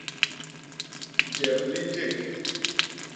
Jep li njék.